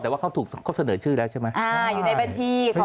อ๋อแต่ว่าเขาเสนอชื่อแล้วใช่ไหม